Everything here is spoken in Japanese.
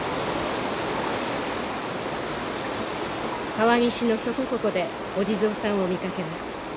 川岸のそこここでお地蔵さんを見かけます。